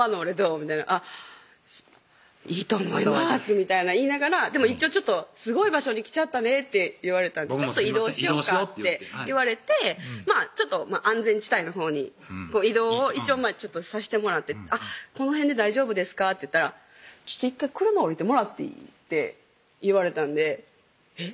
みたいな「あっいいと思います」みたいなん言いながらでも一応「すごい場所に来ちゃったね」って言われたんで「ちょっと移動しよっか」って言われてちょっと安全地帯のほうに移動を一応さしてもらって「この辺で大丈夫ですか？」って言ったら「１回車降りてもらっていい？」と言われたんでえっ？